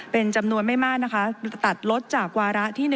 เป็นจำนวนไม่มากนะคะตัดลดจากวาระที่๑